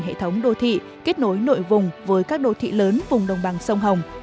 hệ thống đô thị kết nối nội vùng với các đô thị lớn vùng đồng bằng sông hồng